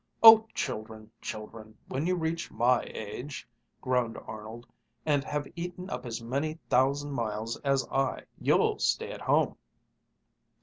"Oh, children, children! When you reach my age," groaned Arnold, "and have eaten up as many thousand miles as I, you'll stay at home."